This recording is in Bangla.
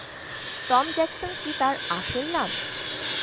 টম জ্যাকসন কি তোমার আসল নাম?